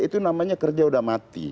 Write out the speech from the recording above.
itu namanya kerja udah mati